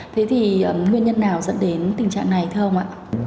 thế thì nguyên nhân nào dẫn đến tình trạng này thưa ông ạ